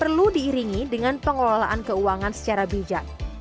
pembuatan asuransi harus diinginkan dengan pengelolaan keuangan secara bijak